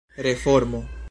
reformo